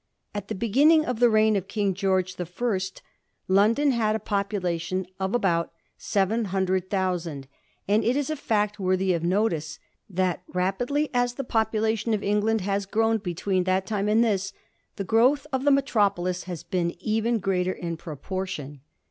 At the beginning of the reign of King George the First, London had a population of about seven hundred thousand, and it is a fact worthy of notice, that rapidly as the population of England has grown between that time and this, the growth of the metropolis has been even greater in proportion.